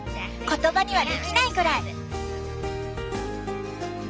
言葉にはできないぐらい。